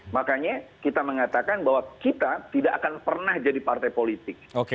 makanya kita mengatakan bahwa kita tidak akan pernah jadi partai politik